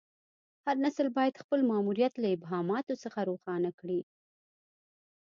هر نسل باید خپل ماموریت له ابهاماتو څخه روښانه کړي.